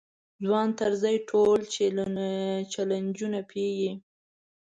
ځوان طرزی ټول چلنجونه پېيي.